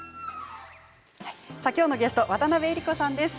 きょうのゲストは渡辺江里子さんです。